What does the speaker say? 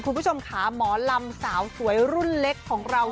คุณผู้ชมค่ะหมอลำสาวสวยรุ่นเล็กของเรา